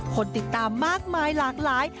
คนติดตามมากมายหลากหลาย